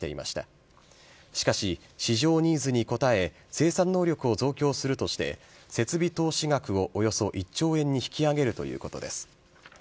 しかし、市場ニーズに応え、生産能力を増強するとして、設備投資額をおよそ１兆円に引き上げるということです。